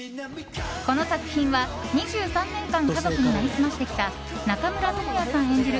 この作品は、２３年間家族に成り済ましてきた中村倫也さん演じる